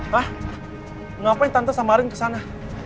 hah ngapain tante sama arin kesana